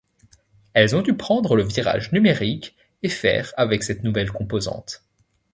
Elles ont dû prendre le virage numérique et faire avec cette nouvelle composante.